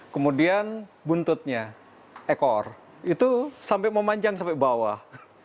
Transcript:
kemudian buntutnya ekor itu sampai memanjang sampai bawah